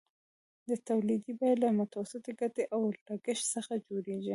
د تولید بیه له متوسطې ګټې او لګښت څخه جوړېږي